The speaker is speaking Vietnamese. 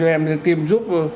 em tìm giúp